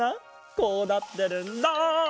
こうなってるんだ。